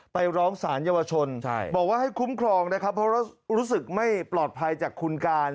ไปร้องสารเยาวชนบอกว่าให้คุ้มครองนะครับเพราะว่ารู้สึกไม่ปลอดภัยจากคุณการ